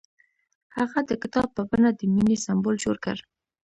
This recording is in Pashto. هغه د کتاب په بڼه د مینې سمبول جوړ کړ.